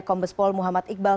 kombespol muhammad iqbal